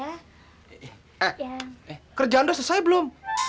eh kerjaan udah selesai belum